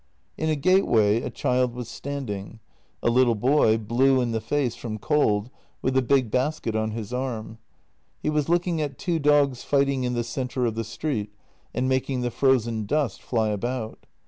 In a gateway a child was standing — a little boy, blue in the face from cold with a big basket on his arm. He was looking at two dogs fighting in the centre of the street and making the frozen dust fly about.